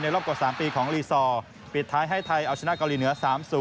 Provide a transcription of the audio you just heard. รอบกว่า๓ปีของลีซอร์ปิดท้ายให้ไทยเอาชนะเกาหลีเหนือ๓๐